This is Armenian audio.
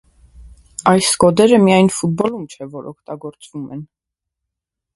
Այս կոդերը միայն ֆուտբոլում չէ, որ օգտագործվում են։